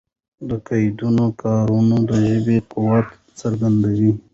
د قیدونو کارونه د ژبي قوت څرګندوي.